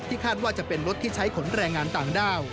คาดว่าจะเป็นรถที่ใช้ขนแรงงานต่างด้าว